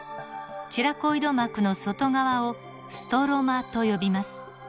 チラコイド膜の外側をストロマと呼びます。